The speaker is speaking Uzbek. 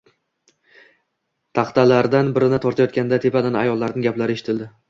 Taxtalardan birini tortayotganda tepadan ayollarning gaplari eshitildi: